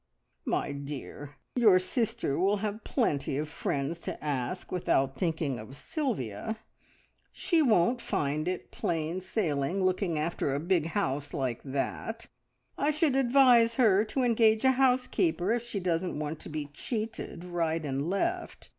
"My dear, your sister will have plenty of friends to ask without thinking of Sylvia. She won't find it plain sailing looking after a big house like that. I should advise her to engage a housekeeper if she doesn't want to be cheated right and left.